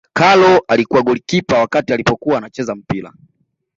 karol alikuwa golikipa wakati alipokuwa anacheza mpira